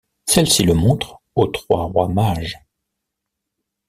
Celle-ci le montre aux trois rois mages.